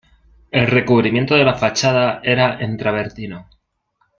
El recubrimiento de la fachada era en travertino.